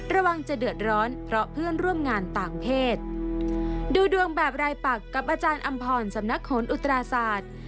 ระวังจะเดือดร้อนเพราะเพื่อนร่วมงานต่างเพศดูดวงแบบรายปักกับอาจารย์อำพรสำนักโหนอุตราศาสตร์